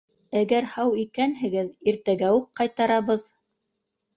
Әгәр һау икәнһегеҙ — иртәгә үк ҡайтарабыҙ.